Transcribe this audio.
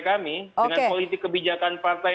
kami dengan politik kebijakan partai